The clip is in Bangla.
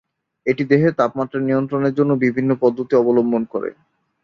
এটি দেহের তাপমাত্রা নিয়ন্ত্রণের জন্যে বিভিন্ন পদ্ধতি অবলম্বন করে।